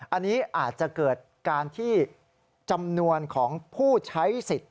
อันนี้อาจจะเกิดการที่จำนวนของผู้ใช้สิทธิ์